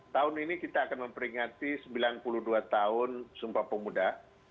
tahun ini kita akan memperingati sembilan puluh dua tahun sumpah pemuda